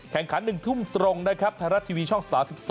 แข่งขัน๑ทุ่มตรงนะครับไทยรัฐทีวีช่อง๓๒